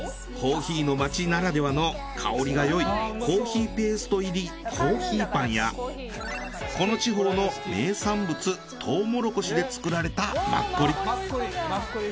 コーヒーの街ならではの香りがよいコーヒーペースト入りコーヒーパンやこの地方の名産物とうもろこしで作られたマッコリ。